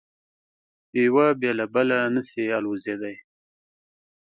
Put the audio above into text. یو بې له بله نه شي الوزېدای.